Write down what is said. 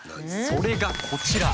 それがこちら。